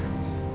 kamu gak tau kan